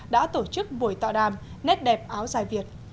đã tổ chức buổi tọa đàm nét đẹp áo dài việt